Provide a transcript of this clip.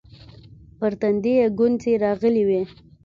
پر تندي يې گونځې راغلې وې.